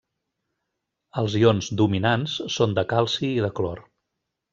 Els ions dominants són de calci i de clor.